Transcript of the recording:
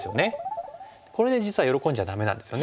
これで実は喜んじゃダメなんですよね。